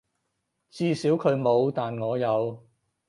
至少佢冇，但我有